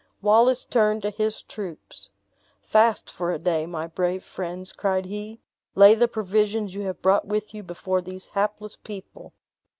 Wallace turned to his troops: "Fast for a day, my brave friends," cried he; "lay the provisions you have brought with you before these hapless people.